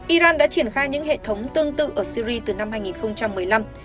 iran đã triển khai những hệ thống tương tự ở syri từ năm hai nghìn một mươi năm